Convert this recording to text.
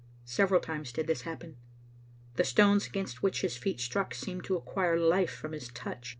Several times did this happen. The stones against which his feet struck seemed to ac quire life from his touch.